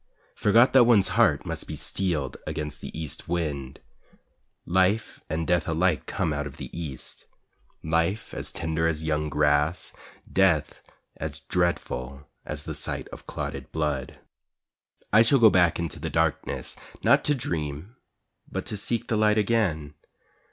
Forgot that one's heart must be steeled against the east wind. Life and death alike come out of the East: Life as tender as young grass, Death as dreadful as the sight of clotted blood. I shall go back into the darkness, Not to dream but to seek the light again.